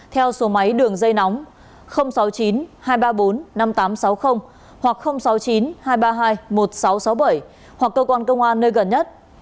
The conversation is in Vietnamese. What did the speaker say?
theo số máy đường dây nóng sáu mươi chín hai trăm ba mươi bốn năm nghìn tám trăm sáu mươi hoặc sáu mươi chín hai trăm ba mươi hai một nghìn sáu trăm sáu mươi bảy hoặc cơ quan công an nơi gần nhất